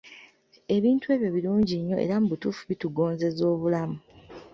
Ebintu ebyo birungi nnyo era mu butuufu bitugonzeza obulamu.